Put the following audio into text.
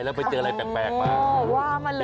แล้วไปเจออะไรแปลกมากว่ามาเลย